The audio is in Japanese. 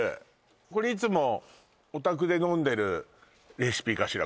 これいつもお宅で飲んでるレシピかしら？